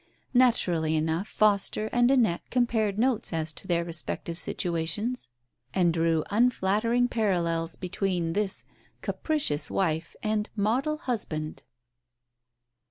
Naturally enough Foster and Annette compared notes as to their respective situa tions, and drew unflattering parallels between this capricious wife and model husband.